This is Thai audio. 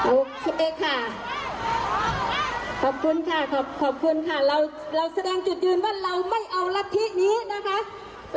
โอเคค่ะขอบคุณค่ะขอบคุณค่ะเราเราแสดงจุดยืนว่าเราไม่เอารัฐธินี้นะคะ